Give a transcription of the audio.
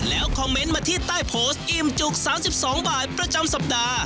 แล้วคอมเมนต์มาที่ใต้โพสต์อิ่มจุก๓๒บาทประจำสัปดาห์